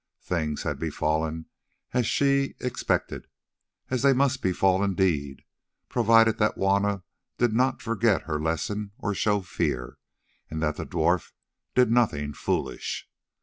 Things had befallen as she expected, as they must befall indeed, provided that Juanna did not forget her lesson or show fear, and that the dwarf did nothing foolish.